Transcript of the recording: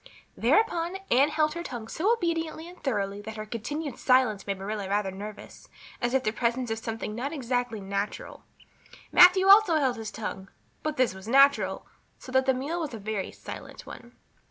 Thereupon Anne held her tongue so obediently and thoroughly that her continued silence made Marilla rather nervous, as if in the presence of something not exactly natural. Matthew also held his tongue, but this was natural, so that the meal was a very silent one.